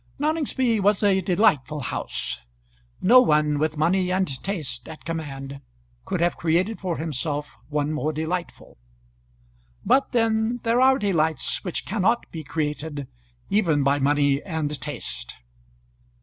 Noningsby was a delightful house; no one with money and taste at command could have created for himself one more delightful; but then there are delights which cannot be created even by money and taste.